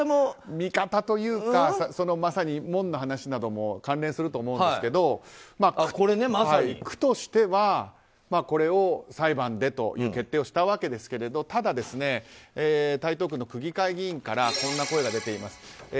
味方というかまさに門の話なども関連すると思うんですけど区としては、これを裁判でという決定をしたわけですがただ、台東区の区議会議員からこんな声が出ています。